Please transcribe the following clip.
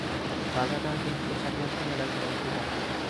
রাজা তাহাকে বুকে চাপিয়া ধরিয়া ডাকিলেন, ধ্রুব!